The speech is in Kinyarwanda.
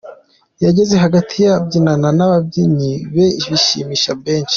Yageze hagati abyinana n’ababyinnyi be bishimisha benshi.